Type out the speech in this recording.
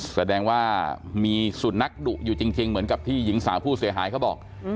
แสดงว่ามีสุนัขดุอยู่จริงเหมือนกับที่หญิงสาวผู้เสียหายเขาบอก